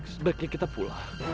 sebaiknya kita pulang